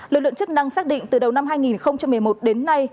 lực lượng chức năng xác định từ đầu năm hai nghìn một mươi một đến nay